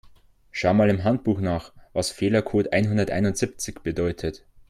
Schau mal im Handbuch nach, was Fehlercode einhunderteinundsiebzig bedeutet.